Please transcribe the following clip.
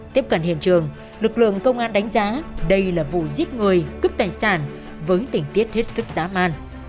tiếp cận hiện trường lực lượng công an đánh giá đây là vụ giết người cướp tài sản với tỉnh tiết hết sức dã man